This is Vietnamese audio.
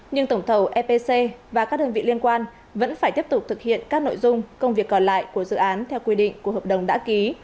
nhưng tổng thầu epc và các đơn vị liên quan vẫn phải tiếp tục thực hiện các nội dung công việc còn lại của dự án theo quy định của hợp đồng đã ký